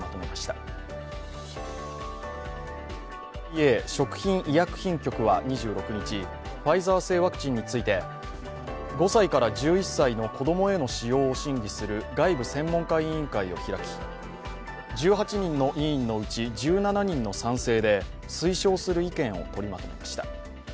アメリカのＦＤＡ＝食品医薬品局は２６日、ファイザー製ワクチンについて、５歳から１１歳への子供への使用を審議する外部専門家委員会を開き、１８人の委員のうち１７人の賛成で推奨する意見を取りまとめました。